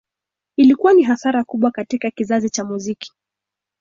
Ilikuwa ni hasara kubwa katika kizazi cha muziki